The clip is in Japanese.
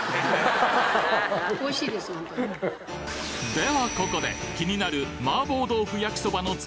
ではここで気になる